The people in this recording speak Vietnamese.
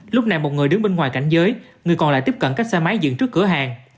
lúc này một người đứng bên ngoài cảnh giới người còn lại tiếp cận các xe máy dựng trước cửa hàng